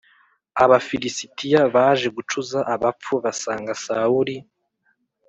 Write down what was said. Abafilisitiya baje gucuza abapfu basanga Sawuli